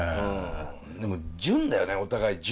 でも純だよねお互い。